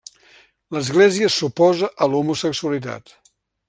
L'Església s'oposa a l'homosexualitat.